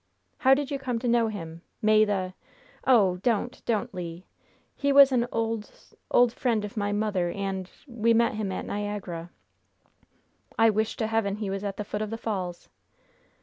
"How did you come to know him? May the " "Oh, don't, don't, Le! He was an old old friend of my mother, and we met him at Niagara." "I wish to Heaven he was at the foot of the falls!"